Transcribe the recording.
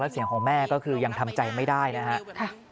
เสียงของแม่ก็คือยังทำใจไม่ได้นะครับ